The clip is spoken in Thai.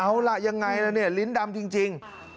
เอาล่ะยังไงล่ะเนี่ยลิ้นดำจริง